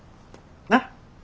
なっ。